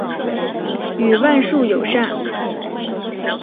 与万树友善。